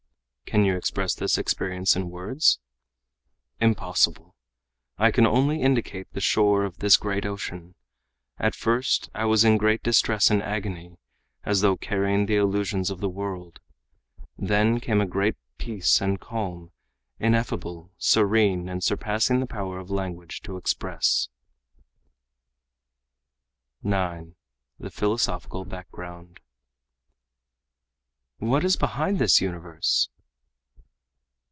"Can you express this experience in words?" "Impossible. I can only indicate the shore of this great ocean. At first I was in great distress and agony, as though carrying the illusions of the world. Then came a great peace and calm, ineffable, serene, and surpassing the power of language to express." 9. The Philosophical Background "What is behind this universe!"